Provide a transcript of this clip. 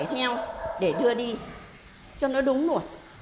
đã phải theo để đưa đi cho nó đúng rồi